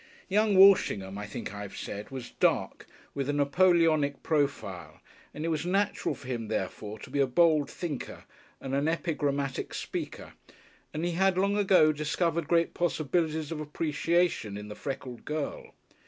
Young Walshingham, I think I have said, was dark, with a Napoleonic profile, and it was natural for him, therefore, to be a bold thinker and an epigrammatic speaker, and he had long ago discovered great possibilities of appreciation in the freckled girl.